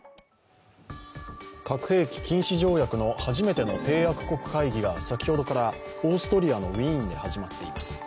核兵器禁止条約の初めての締約国会議が先ほどからオーストリアのウィーンで始まっています。